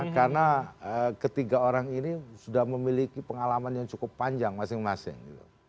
karena ketiga orang ini sudah memiliki pengalaman yang cukup panjang masing masing